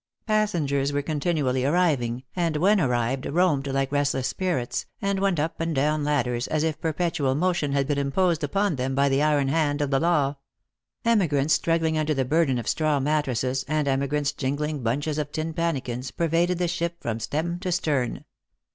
Passengers were continually arriving, and when arrived roamed like restless spirits, and went up and down ladders as if perpetual motion had been imposed upon them by 21 t Lost for Love. the iron hand of the law. Emigrants struggling under the burden of straw mattresses, and emigrants jingling bunches of tin pannikins, pervaded the ship from stem to stern.